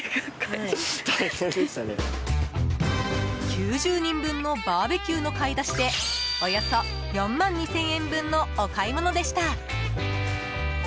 ９０人分のバーベキューの買い出しでおよそ４万２０００円分のお買い物でした。